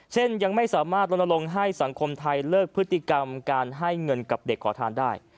ยังไม่สามารถลนลงให้สังคมไทยเลิกพฤติกรรมการให้เงินกับเด็กขอทานได้